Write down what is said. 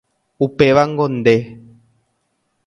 Upévango nde